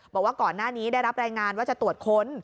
บอกว่าก่อนหน้านี้ได้รับรายงานว่าจะตรวจค้น